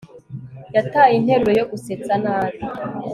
Yataye interuro yo gusetsa nabi